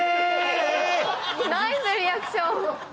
ナイスリアクション。